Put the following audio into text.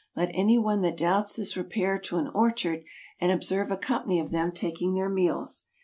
Let anyone that doubts this repair to an orchard and observe a company of them taking their meals.